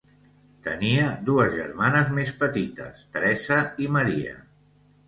Tenia dues germanes més petites, Teresa i Maria.